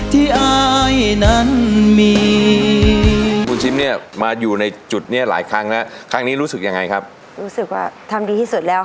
ที่อายนั้นมี